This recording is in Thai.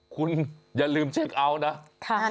คุณอย่าลืมเช็คอัวนะ